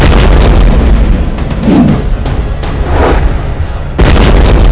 sebelum itu ginda sang willy